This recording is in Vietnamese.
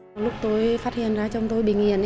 chồng tôi phát hiện ra chồng tôi bị nghiện